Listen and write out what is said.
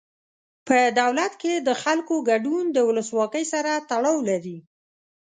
په دولت کې د خلکو ګډون د ولسواکۍ سره تړاو لري.